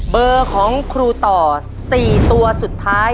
เบอร์ของครูต่อ๔ตัวสุดท้าย